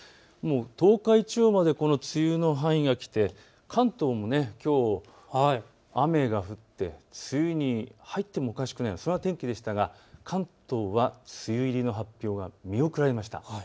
東海地方まで梅雨の範囲が来て関東もきょう、雨が降って梅雨に入ってもおかしくないそんな天気でしたが関東は梅雨入りの発表は見送られました。